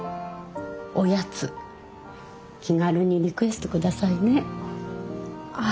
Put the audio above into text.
おやつ気軽にリクエスト下さいね。